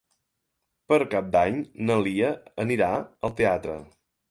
Per Cap d'Any na Lia anirà al teatre.